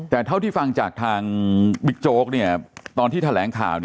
แต่เท่าที่ฟังจากทางบิ๊กโจ๊กตอนที่แถลงข่าว